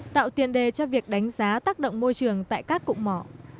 tạo tiền đề cho việc đánh giá tác động môi trường tại các cụm mỏ